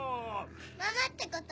ママってこと？